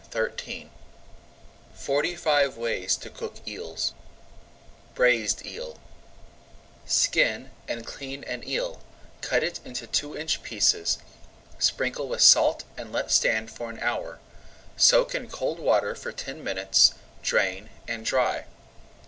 [Page 113] FORTY FIVE WAYS TO COOK EELS BRAISED EEL Skin and clean an eel, cut it into two inch pieces, sprinkle with salt, and let stand for an hour. Soak in cold water for ten minutes, drain, and dry.